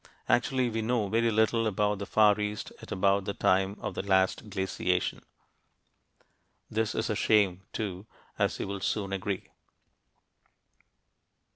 Actually, we know very little about the Far East at about the time of the last glaciation. This is a shame, too, as you will soon agree.